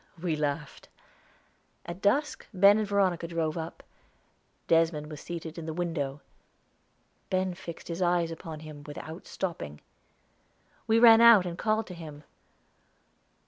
We laughed. At dusk Ben and Veronica drove up. Desmond was seated in the window. Ben fixed his eyes upon him, without stopping. We ran out, and called to him.